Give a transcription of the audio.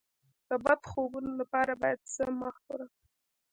د بد خوبونو لپاره باید څه مه خورم؟